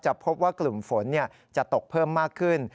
พบว่ากลุ่มฝนจะตกเพิ่มมากขึ้น